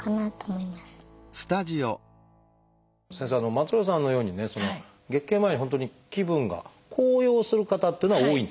松浦さんのようにね月経前本当に気分が高揚する方っていうのは多いんですか？